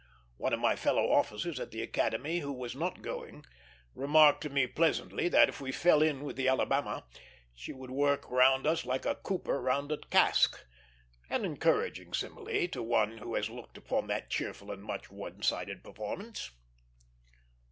One of my fellow officers at the Academy, who was not going, remarked to me pleasantly that, if we fell in with the Alabama, she would work round us like a cooper round a cask; an encouraging simile to one who has looked upon that cheerful and much one sided performance.